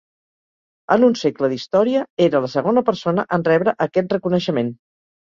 En un segle d'història, era la segona persona en rebre aquest reconeixement.